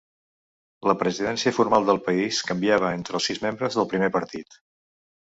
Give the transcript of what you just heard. La presidència formal del país canviava entre els sis membres del primer partit.